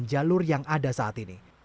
jalur yang ada saat ini